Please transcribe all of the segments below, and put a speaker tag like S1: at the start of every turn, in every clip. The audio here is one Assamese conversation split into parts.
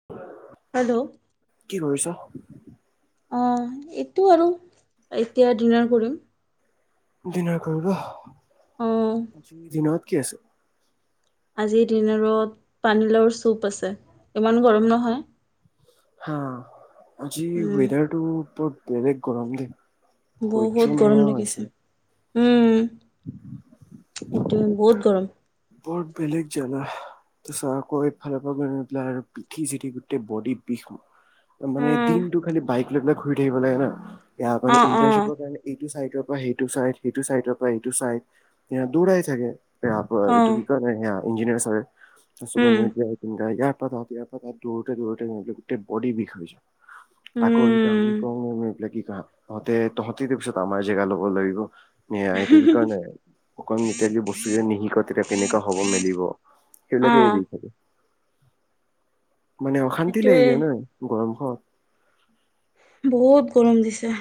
S1: [unintelligible]
S2: হেল্ল'।
S1: কি কৰিছ?
S2: অ', এইটো আৰু এতিয়া ডিনাৰ কৰিম।
S1: ডিনাৰ কৰিব
S2: অ
S1: দিনত কি আছে।
S2: আজিৰ দিনত পানীলাও চুপ আছে ইমান গৰম নহয়।
S1: হা, আজি
S2: উম
S1: দাৰ টো বৰ বেলেগ গৰম দেই।
S2: বহুত
S1: সহ্য
S2: গৰম
S1: নোহোৱা হৈছে।
S2: লাগিছে উম।
S1: [unintelligible]
S2: সেইটোয়েই বহুত গৰম।
S1: বৰ বেলেগ জালা। ত আকৌ এইফালৰ পৰা গ প পিঠি চিঠি গোটেই বডী পি মানে
S2: উম
S1: দিনটো খালি বাইক লৈ পেলাই ঘুৰি থাকিব লাগে না, মানে
S2: অ অ
S1: ইন্টাৰিপৰ কাৰনে। এইটো চাইডৰ পৰা সেইটো চাইড সেইটো চাইডৰ পৰা এইটো চাইড দৌৰাই থাকে।
S2: অ
S1: কি ইঞ্জিনিয়াৰ ছাৰে। [unintelligible]
S2: উম
S1: ইয়াৰ পৰা তাত ইয়াৰ পৰা তাত ঘূৰোতে, ঘূৰোতে গোটেই বডী বিষ হৈছে। আকৌ এতিয়া
S2: উম
S1: আমি। ম পেলাই কি ক তহঁতে তহঁতি পিছত আমাৰ জেগা ল'ব লাগিব। সেয়া এইটো কি কাৰণ নাই অকন যেতিয়া যদি বস্তু যেদি নিশিক তেতিয়া কেনেকুৱা হ'ব মেলিব।
S2: অ
S1: সেইবিলাকেই দি থাকে, মানে অশান্তি লৈ
S2: সেইটোৱে
S1: যায় ন। গৰম খনত।
S2: বহুত গৰম দিছে।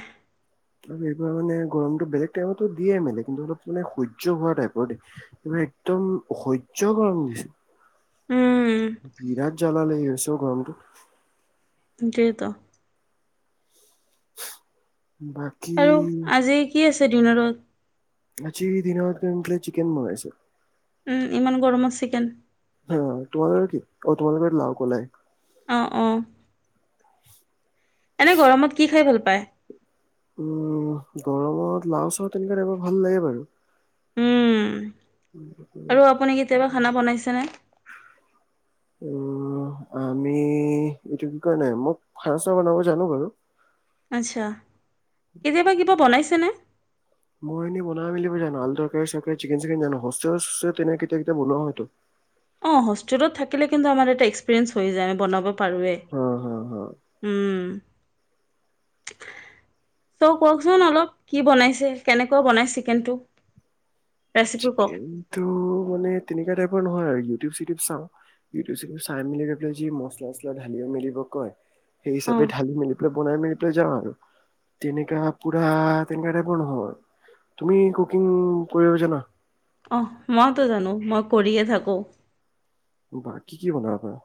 S1: অলপ এইবাৰ মানে গৰমটো বেলেগ টাইমতো দিয়ে মে কিন্তু অলপ মানে সহ্য হোৱা টাইপৰ দেই। মানে একদম অসহ্য গৰম দিছে।
S2: উম
S1: বিৰাট জালাই আছে অ', গৰমতো।
S2: তাকেইতো।
S1: বাকী।
S2: আৰু আজি কি আছে ডিনাৰত।
S1: আজি দিনত চিকেন বনাইছে।
S2: উম, ইমান গৰমত চিকেন।
S1: হা, তোমালোক কি অ', তোমালোক লাও কলাই।
S2: অ', অ'। এনে গৰমত কি খাই ভাল পায়?
S1: উম, গৰমত লাও চাও তেনেকুৱা টাইপৰ ভাল লাগে বাৰু।
S2: উম আৰু আপুনি কেতিয়াবা খানা বনাইছেনে।
S1: [inaudible] উম, আমি এইটো কি কোৱাই নাই মোক খাৰ চাৰ বনাব জানো বাৰু।
S2: আচ্ছা, কেতিয়াবা কিবা বনাইছেনে।
S1: মই এনেই বনাব মেলিব জানো আলু তৰকাৰী চৰকাৰী, চিকেন টিকেন জানো হোষ্টেলে চস্তেলে তেনেকে কেতিয়াবা বনোৱা হয়তো।
S2: অ', হোষ্টেলত থাকিলে কিন্তু আমাৰ এটা এক্সপিৰিয়েঞ্চ হৈ যায় আমি বনাব পাৰোঁৱেই।
S1: হা হা হা
S2: উম। ত, কওকচোন অলপ কি বনাইছে কেনেকুৱা বনাই চিকেনটো। ৰেচিপি কওক
S1: চিকেনটো মানে তেনেকুৱা টাইপৰ নহয় আৰু ইউটিউব চিউটিউব চাওঁ। ইউটিউব চিউটিউব চাই মেলি গৈ পেলাই যি মচলা চছলা ঢালিব মেলিব কয়। সেই হিচাপে
S2: অঁ।
S1: ঢালি মেলি পেলাই বনাই মেলি পেলাই যাওঁ আৰু। তেনেকা পুৰা তেনেকুৱা টাইপৰ নহয়, তুমি কুকিং কৰিব জানা?
S2: অ' মইতো জানো মই কৰিয়ে থাকোঁ।
S1: বাকী কি বনাব পাৰা?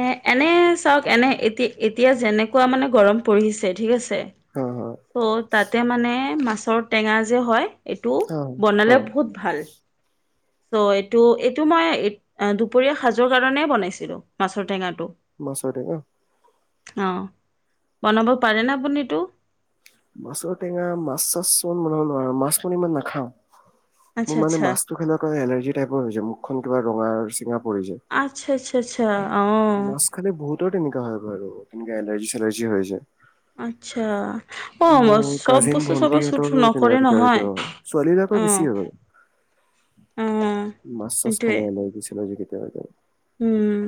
S2: এ, এনে চাওঁক এনে এতি এতিয়া যেনেকুৱা মানে গৰম পৰিছে ঠিক আছ [unintelligible]
S1: হা হা
S2: চ' তাতে মানে মাছৰ টেঙা যে হয়। এইটো
S1: হা হা
S2: বনালে বহুত ভাল। চ' এইটো এইটো মই দুপৰীয়া সাজৰ কাৰণে বনাইছিলোঁ মাছৰ টেঙাটো।
S1: মাছৰ টেঙা।
S2: অ' বনাব পাৰেনে আপুনিতো।
S1: মাছৰ টেঙা মাছ চাচ মই বনাব নোৱাৰোঁ মাছ মানে ইমান নাখাওঁ,
S2: আচ্ছা
S1: মোৰ মানে
S2: আচ্ছা
S1: মাছ [unintelligible] এলাৰৰ্জি টাইপৰ হয় যায় মুখখন কিবা ৰঙা চিঙা পৰি যায়।
S2: [unintelligible]
S1: মাছ
S2: অ'।
S1: খালে বহুতৰ তেনেকা হয় বাৰু তেনেকে এলাৰ্জি চেলাৰ্জি হৈ যায়।
S2: আচ্ছা অ মই
S1: মোৰ
S2: চব
S1: কাজিন
S2: বস্তু চবে চুট
S1: ভন্টিহঁতৰো তেনেকা
S2: নকৰে
S1: কেতিয়াবা
S2: নহয়
S1: কেতিয়াবা হয়। ছোৱালীবিলাকৰ
S2: অ
S1: বেছি হয়।
S2: অ
S1: মাছ চাছ
S2: সেইটোৱে
S1: খালে এলাৰ্জি চেলাৰ্জি কেতিয়াবা কেতিয়াবা।
S2: উম।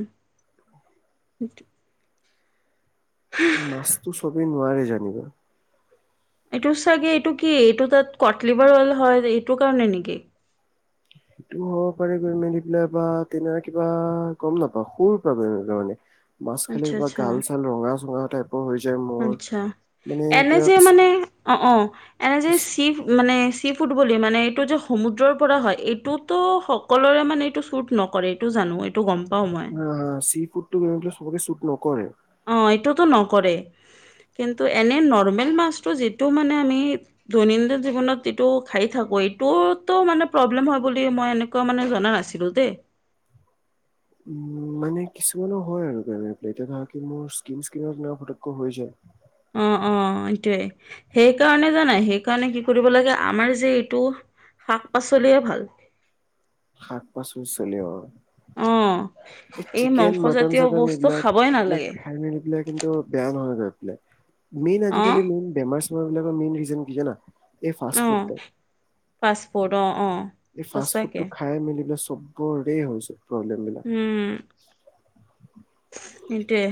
S1: মাছটো চবেই নোৱাৰে যেনিবা।
S2: এইটো চাগে এইটো কি এইটো তাত কটলিভাৰ অল হয় এইটো কাৰণে নেকি।
S1: সেইটো হ'ব পাৰে গৈ মেলি পেলাই বা তেনেক কিবা গম নাপাওঁ সৰুৰ পৰা তাৰমানে। মাছ খালে
S2: আচ্ছা
S1: কিবা
S2: আচ্ছা
S1: গাল চাল ৰঙা চঙা টাইপ
S2: আচ্ছা, এনে
S1: কিবা
S2: যে মানে অ', অ', এনে যে
S1: কি
S2: চি মানে চি ফুটবলি মানে এইটো যে সমুদ্ৰৰ পৰা হয় এইটোতো সকলোৰে মানে এইটো শ্বুট নকৰে। এইটো জানো এইটো গম পাওঁ মই।
S1: হা চি ফুডটো [inaudible] চবকে চুট নকৰে।
S2: অ' এইটোতো নকৰে, কিন্তু এনে নৰ্মেল মাছটো যিটো মানে আমি দৈনন্দিন জীৱনত ইটো খাই থাকোঁ এইটোতো মানে প্ৰব্লেম হয় বুলি মই এনে কোৱা মানে জনা নাছিলোঁ দে।
S1: উম, মানে কিছুমানৰ হয় আৰু তেনে এতিয়া ধৰা কি মোৰ স্কীন স্কীনত পতুতকে হৈ যায়।
S2: অ', অ', এইটোয়ে সেইকাৰণে জানাই সেইকাৰণে কি কৰিব লাগে আমাৰ যে এইটো শাক পাচলিয়ে ভাল।
S1: শাক পাচল চলি অ'।
S2: অ
S1: এই চিকেন মটন
S2: মাংসজাতীয়
S1: চাটন
S2: বস্তু
S1: এইবিলাক,
S2: খাবই
S1: এইবিলাক
S2: নালাগে
S1: খাই মেলি পেলাই। কিন্তু বেয়া নহয়গৈ পেলাই, মেইন
S2: অ',
S1: আজিকালি মেইন বেমাৰ চেমাৰ বিলাকৰ মেইন ৰিজন কি জানা? এই ফাষ্ট ফুডটো
S2: অ' পাছপৰ্ট অ', অ'।
S1: এই ফাষ্ট ফুডটো
S2: সঁচাকে
S1: খাই মেলি পেলাই চবৰে হৈছে প্ৰব্লেম বিলাক।
S2: উম। এইটোৱে,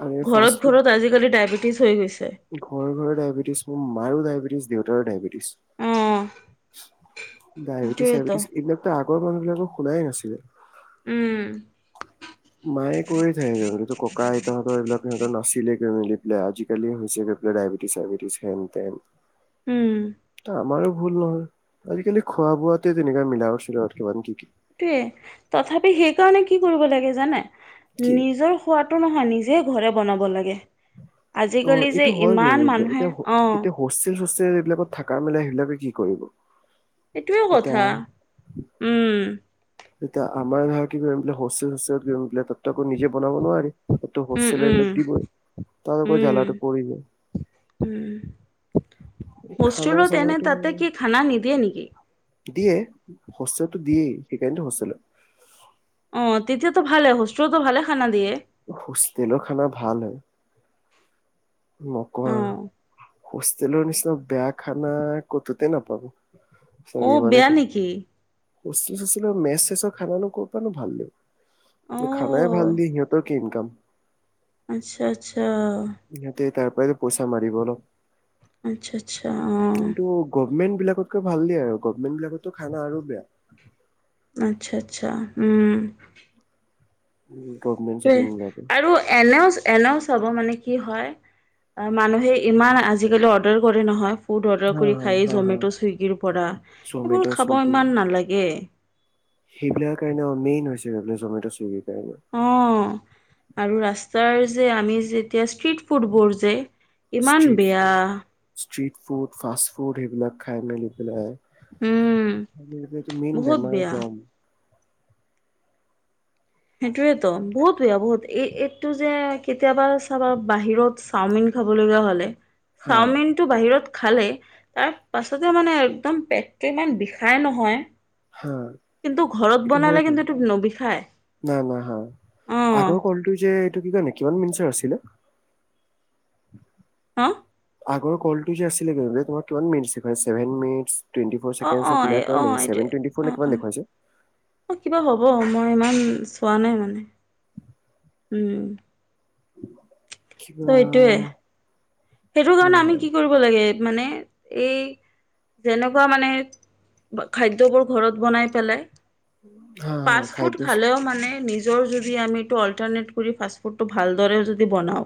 S1: আৰু এই ফাষ্ট
S2: ঘৰত
S1: ফুড
S2: ঘৰত আজিকালি ডায়বেটিছ হৈ গৈছে।
S1: ঘৰে ঘৰে ডায়েবেটিছ মোৰ মাৰো ডায়েবেটিছ দেউতাৰো ডায়েবেটিছ।
S2: অ',
S1: ডায়েবেটিছ
S2: সেইটোৱেতো
S1: চায়বেটিছ এইবিলাকতো আগৰ মানুহ বিলাকে শুনাই নাছিলে।
S2: উম।
S1: মায়ে কৈ থাকেই আগতে ত' ককা আইতাহঁতৰ এইবিলাক সিহঁতৰ নাছিলে গৈ মিলি পেলাই আজিকালি হৈছে গৈ পেলাই ডায়বেটিছ চাইেটিছ হেনতেন।
S2: উম,
S1: আমাৰো ভুল নহয়। আজিকালি খোৱা বোৱাতে তেনেকা মিলাৱট চিলাবট কিমান কি কি।
S2: সেইটোৱে তথাপি সেইকাৰণে কি কৰিব লাগে জানে,
S1: কি
S2: নিজৰ খোৱাটো নহয় নিজে ঘৰে বনাব লাগে।
S1: অ
S2: আজিকালি যে
S1: এইটো হয় গৈ
S2: ইমান
S1: মেলি পেলাই
S2: মানুহে
S1: এতিয়া
S2: অ'।
S1: এতিয়া হোষ্টেল চোষ্টেল এইবিলাকত থাকা মেলা সেইবিলাকে কি কৰিব।
S2: এইটোয়ে কথা
S1: এতিয়া
S2: উম।
S1: তেতিয়া আমাৰ ধৰা কি কৰিম পলে হোষ্টেল সোষ্টেল গমোলে তাতো আকৌ নিজে বনাব নোৱাৰি।
S2: উম, উম,
S1: হোষ্টেলগ দিবই তক
S2: উম,
S1: জ্বালাটো পিব জাই।
S2: উম
S1: খানা
S2: হোষ্টেলত এনে
S1: চানাটো
S2: তাতে কি খানা নিদিয়ে নেকি।
S1: দিয়ে হোষ্টেলতো দিয়েই সেইকাৰণেতো হোষ্টেলত।
S2: অ', তেতিয়াতো ভালে হোষ্টেলতো ভালে খানা দিয়ে।
S1: হোষ্টেলৰ খানা ভাল হয়। নকওঁ
S2: অ',
S1: আৰু হোষ্টেলৰ নিচিনা বেয়া খানা ক'তোতে নাপাব।
S2: অ', বেয়া
S1: [unintelligible]
S2: নেকি?
S1: হোষ্টেল সুষ্টেল মেচ শেচৰ খানা নো ক' প নো ভাল দিব খানাই ভাল
S2: অ',
S1: দিয়ে সিহঁত কি ইনকাম।
S2: আচ্ছা, আচ্ছা।
S1: সিহঁতে তাৰ পৰাইতো পইচা মাৰিব অলপ।
S2: আচ্ছা, আচ্ছা অ'
S1: গভমণ্টলাকতকৈ ভাল দিয় আৰু গভমেটলাকতো খানা আৰু বেয়া।
S2: আচ্ছা, আচ্ছা।
S1: গভমেণ্ট চভমেণ্ট বিলাকে।
S2: আৰু এনেও। এনেও চাব মানে কি হয় মানুহে ইমান আজিকালি অৰ্ডাৰ কৰে নহয়। ফুড অৰ্ডাৰ
S1: হা
S2: কৰি
S1: হা
S2: খায়েই
S1: হা হা।
S2: জমেট' চুইগীৰ পৰা
S1: জমেট'
S2: এইবোৰ খাব ইমান নালাগে।
S1: সেইবিলাক কাৰণে মেইন হৈছে এই জমেট' চুইগিৰ কাৰণে।
S2: অ', আৰু ৰাস্তাৰ যে আমি যে এতিয়া ষ্ট্ৰিট। ফুটবোৰ যে ইমান বেয়া।
S1: ষ্ট্ৰট ফুড ফাষ্ট ফুড সেইবিলাক খাই মেলি
S2: উম,
S1: পেলাই। এইটো মেইন
S2: বহুত
S1: বেমাৰ
S2: বেয়া।
S1: জম।
S2: সেইটোয়েতো বহুতয়া বহুত এই এইটো যে কেতিয়াবা চাবা বাহিৰত। চাওঁমিন খাব লগা হলে
S1: হা
S2: চাওঁমিন। টো বাহিৰত খালে তাৰ পাছতে মানে একদম পেটটো ইমান বিষাই নহয়।
S1: হা
S2: কিন্তু ঘৰত
S1: এইটো
S2: বনালে
S1: হয়তো
S2: কিন্তু এইটো নবিষাই।
S1: না, না, হা আগৰ কলটো যে এইটো কি ক নে কিমান মিনাৰ আছিলে।
S2: হা।
S1: আগৰ কল যে আছি তোমাৰ কিমান মিনিট আছে গৈ চেভেন মিনিটত। [unintelligible]
S2: অ অ এই অ
S1: ফ'ৰছেডেনেমান
S2: এইটো
S1: দেছেভে টুৱেট ফ'
S2: অ
S1: ন
S2: অ
S1: কিমান দেখুৱছে
S2: অ', কিবা হ'ব মই ইমান চোৱা নাই মানে। উম ত' এইটোয়ে
S1: [inaudible]
S2: সেইটো কাৰণে
S1: হয়
S2: আমি
S1: হয়।
S2: কি কৰিব লাগে মানে এই যেনেকুৱা মানে খাদ্যবোৰ ঘৰত বনাই পেলাই
S1: হা হা
S2: ফাষ্ট ফুড
S1: খাদ্য
S2: খালেও মানে নিজ নিজৰ যদি আমি অলটাৰনেট কৰি ফুডটো ভালদৰে যদি বনাওঁ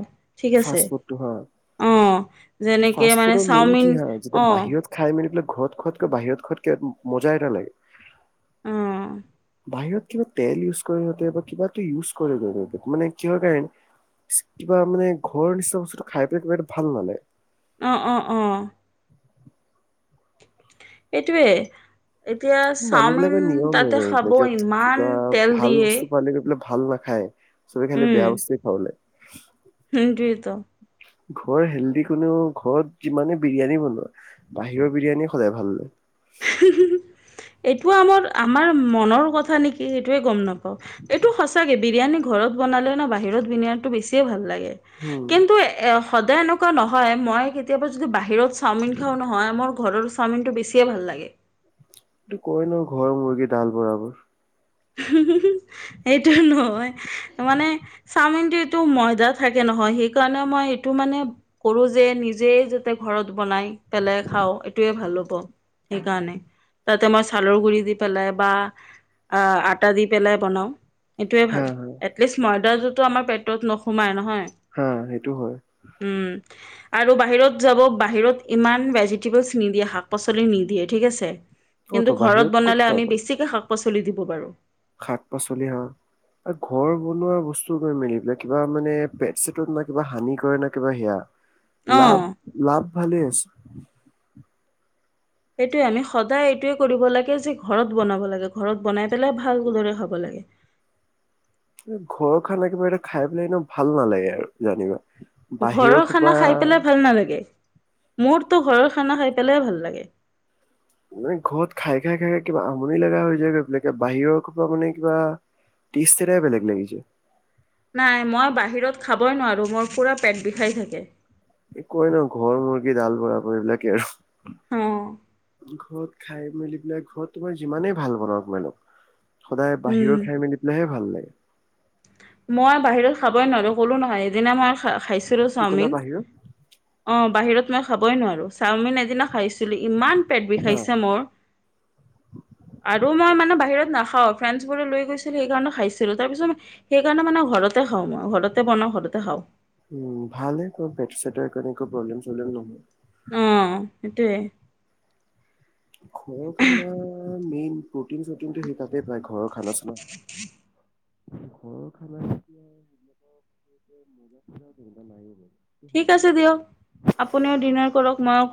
S1: ফাষ্ট ফুডটো হয়
S2: অ',
S1: এই
S2: যেনেকে
S1: ফাষ্ট
S2: মানে
S1: ফুডৰ মেইন কি
S2: চাওমিন
S1: হা যেতিয়া
S2: অ'
S1: বাহিৰত খাই মেলি পেলাই ঘৰত খোৱাতক বাহিৰত খোৱাতক মজাই নালাগে
S2: অ',
S1: বাহিৰত কিবা তেল ইউজ কৰিতে বা কিবাটো ইউজ কৰি মানে কিহৰ কাৰণ কিবা মানে ঘৰৰ নিচিনা বস্তুটো খাই পেলাই বিৰাট ভাল নালে
S2: অ', অ', অ', এইটোৱে এতিয়া
S1: মানুহ
S2: চাওমিন
S1: বিলাকৰ নিয়ম হৈ
S2: তাতে
S1: গৈ
S2: খাব
S1: পেলাই য'ত
S2: ইমান
S1: কিবা
S2: তেল
S1: ভাল
S2: দিয়ে
S1: বস্তু পালে গৈ পেলাই ভাল নাখায়। চবে খালি বেয়া বস্তুেই খাব লাগে
S2: সেইটোতো
S1: ঘৰত হেল্ডি হ'লেও ঘৰত যিমানে বিৰিয়ানী বনোৱা বাহিৰৰ বিৰিয়ানি সদায় ভাল লাগে।
S2: এইটো আমাৰ আমাৰ মনৰ কথা নেকি? কি সেইটয়ে গ'ম নাপাওঁ, এইটো সঁচাকে বিৰিয়ানী ঘৰত বনালে ন বাহিৰত বিৰিয়ানটো বেছিয়ে ভাল লাগে।
S1: উম
S2: কিন্তু সদায় এনেকুৱা নহয় মই কেতিয়াবা যদি বাহিৰত চাওমিন খাওঁ নহয় মোৰ ঘৰৰ চাওমিনটো বেছিয়ে ভাল লাগে।
S1: এইটো কয় ন ঘৰৰ মুৰ্গী ডাল বৰাবৰ।
S2: এইটো নহয়। মানে চাওমিনটো এইটো ময়দা থাকে নহয় সেইকাৰণে মই এইটো মানে কৰো যে নিজেই যাতে ঘৰত বনাই পেলাই খাওঁ এইটোয়ে ভাল হব। সেইকাৰণে, তাতে আমই চালৰ গুৰি দি পেলাই বা আটা দি পেলাই বনাওঁ সেইটোৱে
S1: হা
S2: ভাল।
S1: হা
S2: এটলিষ্ট ময়দাযোৰতো আমাৰ পেটত নোসোমাই নহয়
S1: হা সেইটো হয়
S2: উম। আৰু বাহিৰত যাব বাহিৰত ইমান ভেজিটেবলছ নিদিয়ে শাক পাচলি নিদিয়ে ঠিক আছে।
S1: অ তো
S2: কিন্তু ঘৰত
S1: বাহিৰত ক'ত
S2: বনালে আমি
S1: পাবা
S2: বেছিকে শাক পাচলি দিব পাৰো।
S1: শাক পাচলি হা ঘৰ বনোৱা বস্তু গৈ মেলি পেলাই কিবা মানে পেট চেটত না কিবা হানি কৰে না কিবা সেয়া।
S2: অ'।
S1: লাভ লাভ ভালে আছে।
S2: এইটোৱে আমি সদায় এইটোৱে কৰিব লাগে যে ঘৰত বনাব লাগে, ঘৰত বনাই পেলাই ভালদৰে খাব লাগে।
S1: ঘৰৰ খানা একেবাৰেটা খাই পেলাই এনে ভাল নালাগে আৰু জানিবা।
S2: ঘৰৰ
S1: বাহিৰৰ
S2: খানা
S1: খোপা
S2: খাই পেলাই ভাল নালাগে। মোৰতো ঘৰৰ খানা খাই পেলাই ভাল লাগে।
S1: মানে ঘৰত খাই খাই খাই খাই কিবা আমনি লগা হৈ যায় গৈ পেলাকে। বাহিৰৰ সোপা মানে কিবা টেষ্ট এটাই বেলেগ লাগি যায়।
S2: নাই মই বাহিৰত খাবই নোৱাৰোঁ, মোৰ পুৰা পেট বিষাই থাকে।
S1: কয় ন ঘৰৰ মুৰ্গী ডাল বৰাবৰ, এইবিলাকে
S2: অ
S1: আৰু ঘৰত খাই মেলি পেলাই ঘৰত তোমাৰ যিমানেই ভাল বনাওঁক মেলক, সদায়
S2: উম
S1: বাহিৰৰ খাই মেলি লাহে ভাল লাগে।
S2: মই বাহিৰত খাবই নোৱাৰো, ক'লো নহয় সদিনা মই খ খাইছিলো
S1: কি ক'লা
S2: চাওমিন
S1: বাহিৰৰ
S2: অ' বাহিৰত মই খাবই নোৱাৰো, চাওমিন এদিনা খাইছিলো ইমান পেট
S1: হা
S2: বিষাইছে মোৰ
S1: [unintelligible]
S2: আৰু মই মানে বাহিৰত নাখাওঁ, ফ্ৰেণ্ডছ বোৰে লৈ গৈছিলো সেইকাৰণে খাইছিলো। তাৰপিছত সেইকাৰণে মানে ঘৰতে খাওঁ মই ঘৰতে বনাওঁ ঘৰতে খাওঁ।
S1: উম ভালহে, তোমাৰ পেট চেটৰো একো এনেকুৱা প্ৰব্লেম চব্লেম নহয়।
S2: অ' সেইটোৱে।
S1: খোৱা খানা মেইন প্ৰ'টিন চটিনটো তাতেই পায় ঘৰৰ খানা চানাত। ঘৰৰ খানা এতিয়া সেইবিলাক মাা নাই মান [inaudible]
S2: ঠিক আছে দিয়ক, আপুনিও ডিনাৰ কৰক মই